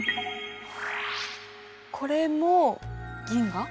これも銀河？